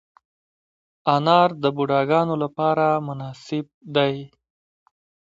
انار د بوډاګانو لپاره مناسب دی.